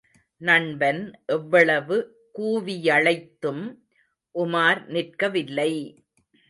நண்பன் எவ்வளவு கூவியழைத்தும் உமார் நிற்கவில்லை!